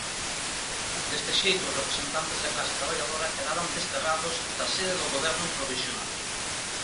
Deste xeito os representantes da clase traballadora quedaban desterrados da sede do goberno provisional.